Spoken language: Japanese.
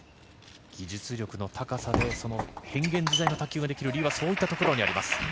技術力の高さでその変幻自在の卓球ができる理由はそういったところにあります。